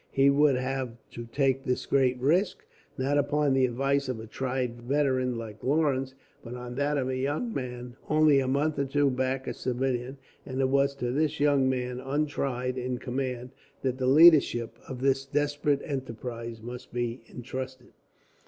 He would have to take this great risk, not upon the advice of a tried veteran like Lawrence, but on that of a young man, only a month or two back a civilian; and it was to this young man, untried in command, that the leadership of this desperate enterprise must be intrusted.